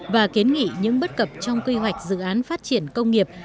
và kiến nghị những bất cập trong quy hoạch dự án phát triển công nghiệp